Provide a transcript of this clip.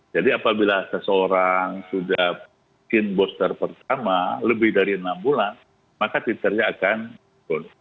jadi apabila seseorang sudah vaksin booster pertama lebih dari enam bulan maka titernya akan turun